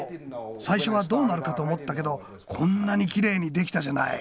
最初はどうなるかと思ったけどこんなにきれいに出来たじゃない。